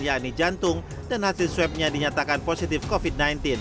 yakni jantung dan hasil swabnya dinyatakan positif covid sembilan belas